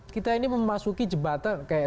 kita ini memasuki jembatan kayak